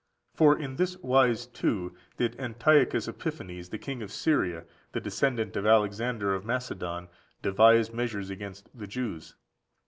For in this wise, too, did Antiochus Epiphanes the king of Syria, the descendant of Alexander of Macedon, devise measures against the Jews.